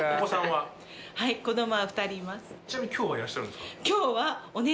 ちなみに今日はいらっしゃるんですか？